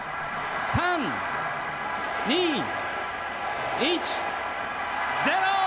３、２、１、０！